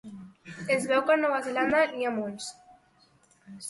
Es veu que a Nova Zelanda n'hi ha molts.